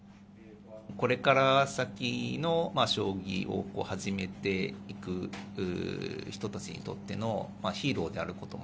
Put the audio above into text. これから先の将棋を始めていく人たちにとってのヒーローであること。